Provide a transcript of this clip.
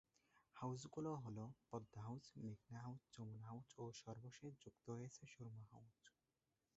House গুলো হলঃ Padma house, মেঘনা হাউস, যমুনা হাউস ও সর্বশেষ যুক্ত হয়েছে সুরমা হাউস।